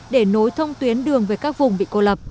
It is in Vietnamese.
để nối trở lại